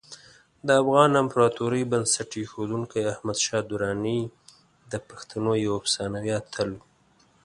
د افغان امپراتورۍ بنسټ ایښودونکی احمدشاه درانی د پښتنو یو افسانوي اتل و.